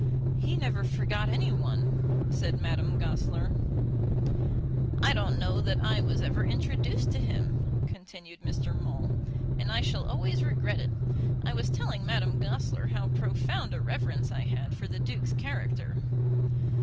"He never forgot any one," said Madame Goesler. "I don't know that I was ever introduced to him," continued Mr. Maule, "and I shall always regret it. I was telling Madame Goesler how profound a reverence I had for the Duke's character."